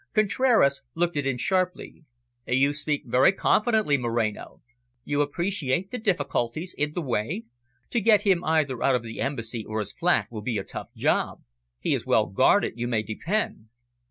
Contraras looked at him sharply. "You speak very confidently, Moreno. You appreciate the difficulties in the way? To get him either out of the Embassy or his flat will be a tough job. He is well guarded, you may depend."